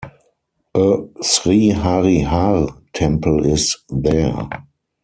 A Sri Hari Har temple is there.